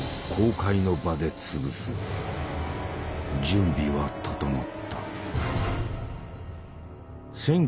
準備は整った。